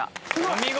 お見事！